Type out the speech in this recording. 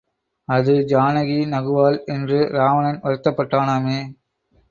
அது ஜானகி நகுவாள் என்று ராவணன் வருத்தப்பட்டானாமே.